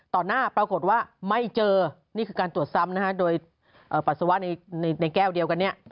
หน้าปรากฏว่าไม่เจอนี่คือการตรวจซ้ำนะฮะโดยปัสสาวะในแก้วเดียวกันเนี่ย